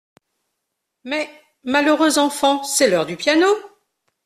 Mais, malheureuses enfants, c'est l'heure du piano !